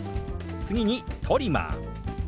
次に「トリマー」。